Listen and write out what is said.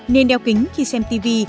nên đeo kính khi xem tivi